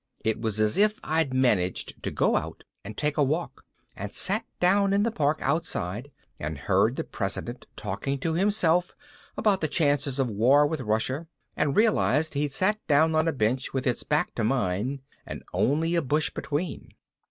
It was as if I'd managed to go out and take a walk and sat down in the park outside and heard the President talking to himself about the chances of war with Russia and realized he'd sat down on a bench with its back to mine and only a bush between.